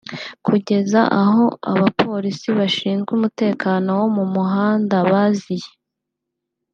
kugeza aho abapolisi bashinzwe umutekano wo mu muhanda baziye